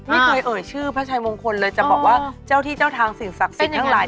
ไม่เคยเอ่ยชื่อพระชัยมงคลเลยจะบอกว่าเจ้าที่เจ้าทางสิ่งศักดิ์สิทธิ์ทั้งหลาย